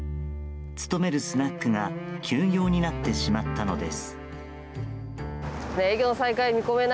勤めるスナックが休業になってしまったのです。